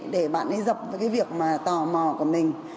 để bạn ấy dập với cái việc mà tò mò của mình